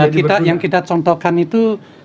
kita yang kita contohkan itu